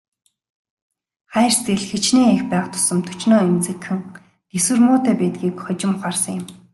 Хайр сэтгэл хэчнээн их байх тусам төчнөөн эмзэгхэн, тэсвэр муутай байдгийг хожим ухаарсан юм.